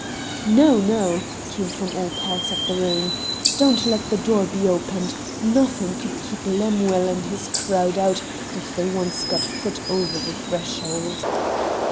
"No, no," came from all parts of the room. "Don't let the door be opened. Nothing could keep Lemuel and his crowd out if they once got foot over the threshold."